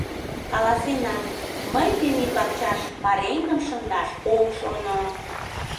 Каласенам: мый тений пакчаш пареҥгым шындаш ом шоно!